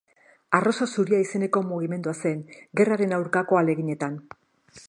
Arrosa zuria izeneko mugimendua zen, gerraren aurkako ahaleginetan.